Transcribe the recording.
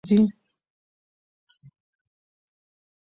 ډېر خلک یې زیارت ته ورځي.